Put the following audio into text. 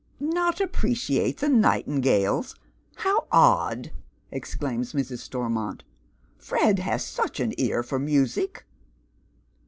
" Not appreciate the nightingales ! Hoa?,. ^.k1 !" exclaime Mrs. Stormont. " Fred has such an ear for music."